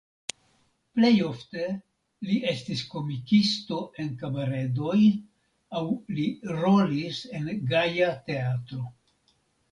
Plej ofte li estis komikisto en kabaredoj aŭ li rolis en Gaja Teatro.